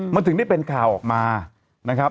มันถึงได้เป็นข่าวออกมานะครับ